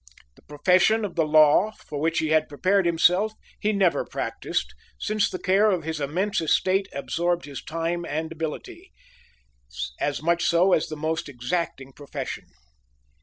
The profession of the law, for which he had prepared himself, he never practiced, since the care of his immense estate absorbed his time and ability; as much so as the most exacting profession.